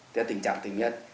theo tình trạng tình nhân